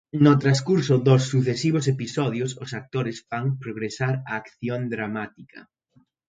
No transcurso dos sucesivos episodios os actores fan progresar a acción dramática.